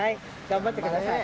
頑張ってください。